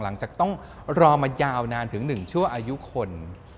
หลังจากต้องรอมายาวนานถึง๑ชั่วอายุคน